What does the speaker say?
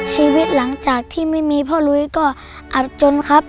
ชีวิตหลังจากที่ไม่มีพ่อลุยก็อับจนครับ